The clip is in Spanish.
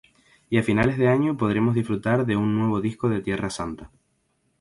Y a finales de año podremos disfrutar de un nuevo disco de Tierra Santa.